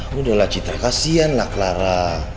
mudahlah citra kasian lah clara